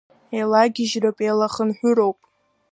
Еилагьежьроуп, еилахынҳәроуп.